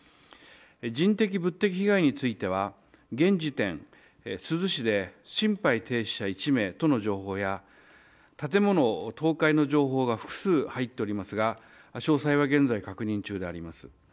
人的・物的被害については現時点、珠洲市で心肺停止者１名との情報や建物倒壊の情報が複数入っておりますが詳細は現在確認中であります。